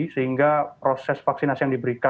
sehingga proses vaksinnya tidak terlalu mudah